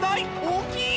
大きい！